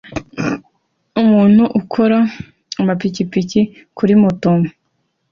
Umuntu ukora amapikipiki kuri moto